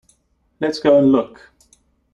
Let's go and look.